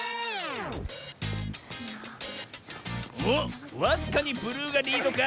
おっわずかにブルーがリードか？